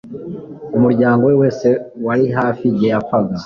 Umuryango we wose wari hafi ye igihe yapfaga